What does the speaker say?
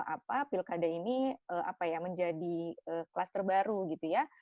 apa pilkada ini menjadi kelas terbaru gitu ya